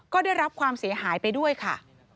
ก็ได้รับความเสียหายไปด้วยค่ะ